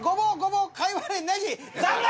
残念！